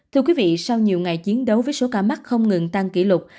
thưa quý vị sau nhiều ngày chiến đấu với số ca mắc không ngừng tăng kỷ lục